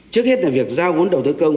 trước hết là việc giao vốn đầu tư công